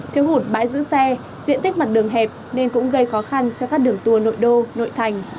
thiếu hụt bãi giữ xe diện tích mặt đường hẹp nên cũng gây khó khăn cho các đường tùa nội đô nội thành